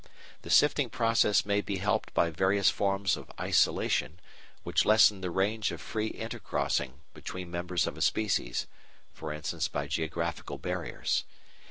The sifting process may be helped by various forms of "isolation" which lessen the range of free intercrossing between members of a species, e.g. by geographical barriers.